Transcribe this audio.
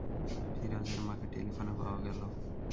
ফিরোজের মাকে টেলিফোনে পাওয়া গেল।